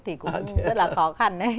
thì cũng rất là khó khăn